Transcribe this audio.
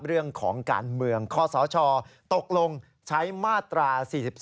เรื่องของการเมืองข้อสาวชอตกลงใช้มาตรา๔๔